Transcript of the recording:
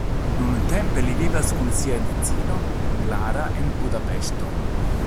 Nuntempe li vivas kun sia edzino Klara en Budapeŝto.